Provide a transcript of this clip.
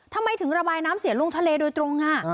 ทำไมถึงระบายน้ำเสียลงทะเลโดยตรง